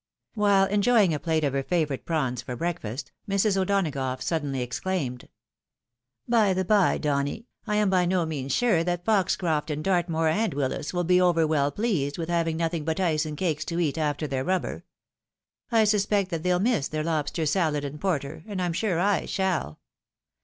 While enjoying a plate of her favourite prawns for breakfast, Mrs. O'Donagough suddenly exclaimed, "By the by, Donny, I am by no means sure that Foxoroft and Dartmore and Willis will be over well pleased with having nothing but ice and cakes to eat after their rubber. I suspect that they'll miss their lobster salad and porter, and I'm sure I shall.